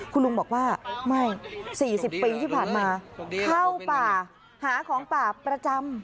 คุณลุงบอกว่าไม่๔๐ปีที่ผ่านมาเข้าป่าหาของป่าประจำ